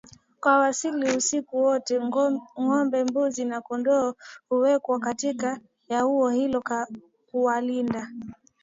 wa asili Usiku wote ngombe mbuzi na kondoo huwekwa katikati ya ua hilo kuwalinda